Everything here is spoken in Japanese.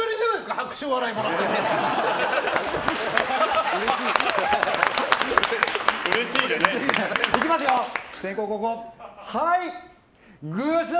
拍手笑いもらったの。